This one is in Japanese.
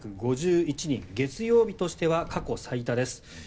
月曜日としては過去最多です。